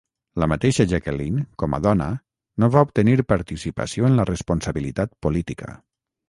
La mateixa Jacqueline, com a dona, no va obtenir participació en la responsabilitat política.